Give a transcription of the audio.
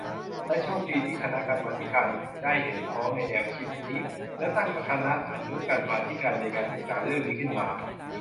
และโชคดีที่คณะกรรมาธิการได้เห็นพ้องในแนวคิดนี้ และตั้งคณะอนุกรรมาธิการในการศึกษาเรื่องนี้ขึ้นมา